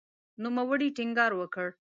نوموړي ټینګار وکړ